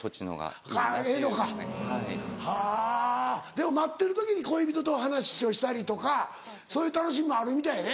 でも待ってる時に恋人と話をしたりとかそういう楽しみもあるみたいやで。